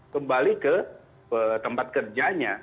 kembali ke tempat kerjanya